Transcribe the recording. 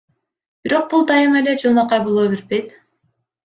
Бирок бул дайыма эле жылмакай боло бербейт.